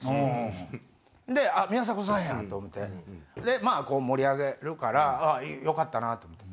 宮迫さんやと思って盛り上げるからよかったなと思って。